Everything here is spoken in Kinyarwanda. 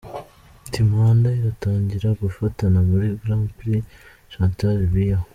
Team Rwanda iratangira guhatana muri Grand prix Chantal Biya.